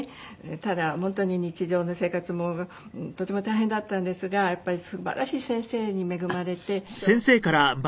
ただ本当に日常の生活もとても大変だったんですがやっぱりすばらしい先生に恵まれて。